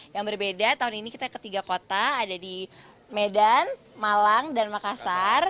yang berbeda tahun ini kita ke tiga kota ada di medan malang dan makassar